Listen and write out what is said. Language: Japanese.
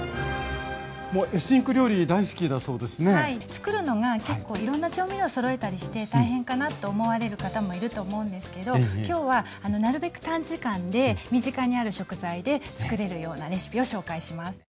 作るのが結構いろんな調味料そろえたりして大変かなと思われる方もいると思うんですけど今日はなるべく短時間で身近にある食材で作れるようなレシピを紹介します。